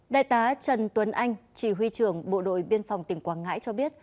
đại tá trần tuấn anh chỉ huy trưởng bộ đội biên phòng tỉnh quảng ngãi cho biết